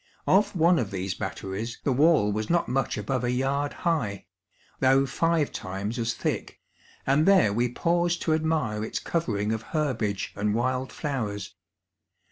Of one of these Batteries, the wall was not much above a yard high, though five times as tliick, and there we paused to admire its covering of Iierbage and wild flowers.